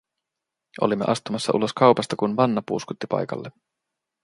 Olimme astumassa ulos kaupasta, kun Vanna puuskutti paikalle.